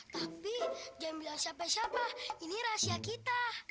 tapi jangan bilang siapa siapa ini rahasia kita